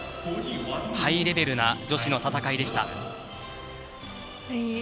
ハイレベルな女子の戦いでした。